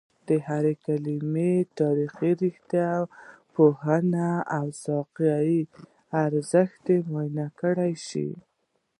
د هرې کلمې تاریخي، ریښه پوهني او سیاقي ارزښت معاینه کړل شي